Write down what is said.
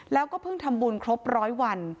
แล้วก็เพิ่งทำบุญครบร้อยวัน